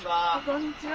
こんにちは。